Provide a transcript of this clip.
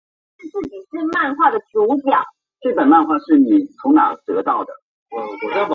院区座落在澳洲首都特区坎培拉的澳洲国立大学校园内。